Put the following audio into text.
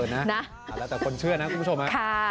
แล้วแต่คนเชื่อนะคุณผู้ชม